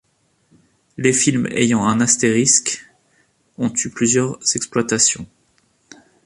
Les films ayant un astérisque ont eu plusieurs exploitations.